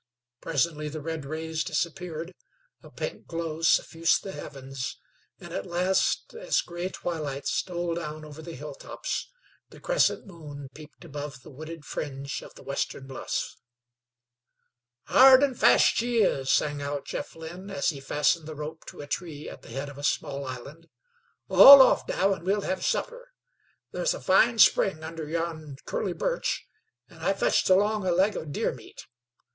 Presently the red rays disappeared, a pink glow suffused the heavens, and at last, as gray twilight stole down over the hill tops, the crescent moon peeped above the wooded fringe of the western bluffs. "Hard an' fast she is," sang out Jeff Lynn, as he fastened the rope to a tree at the head of a small island. "All off now, and' we'll hev' supper. Thar's a fine spring under yon curly birch, an' I fetched along a leg of deer meat.